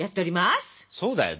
そうだよね。